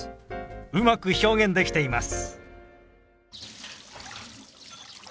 うまく表現できています。